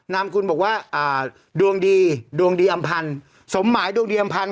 นามคุณบอกว่าดวงดีดวงดีอำพันธ์สมหมายดวงดีอำพันธ